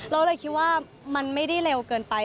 เราเลยคิดว่ามันไม่ได้เร็วเกินไป